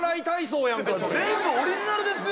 全部オリジナルですよ。